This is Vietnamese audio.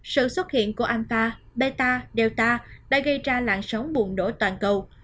sự xuất hiện của alpha beta delta đã gây ra lạng sóng buồn nổ toàn cầu